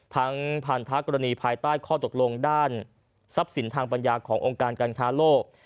พันธกรณีภายใต้ข้อตกลงด้านทรัพย์สินทางปัญญาขององค์การการค้าโลก